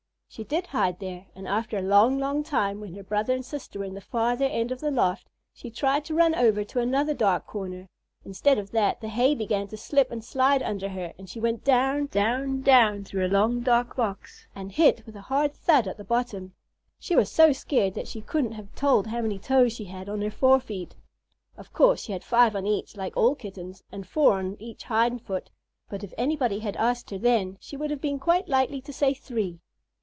She did hide there, and after a long, long time, when her brother and sister were in the farther end of the loft, she tried to run over to another dark corner. Instead of that, the hay began to slip and slide under her and she went down, down, down, through a long dark box, and hit with a hard thud at the bottom. She was so scared that she couldn't have told how many toes she had on her forefeet. Of course, she had five on each, like all Kittens, and four on each hind foot, but if anybody had asked her then, she would have been quite likely to say "three."